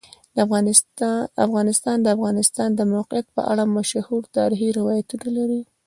افغانستان د د افغانستان د موقعیت په اړه مشهور تاریخی روایتونه لري.